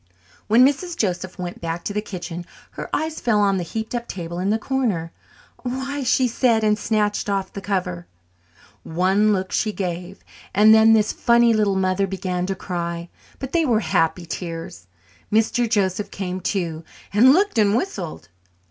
When Mrs. Joseph went back to the kitchen her eyes fell on the heaped up table in the corner. "Why y!" she said, and snatched off the cover. One look she gave, and then this funny little mother began to cry; but they were happy tears. Mr. Joseph came too, and looked and whistled.